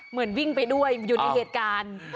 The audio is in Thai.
เหมือนวิ่งไปด้วยอยู่ในเหตุการณ์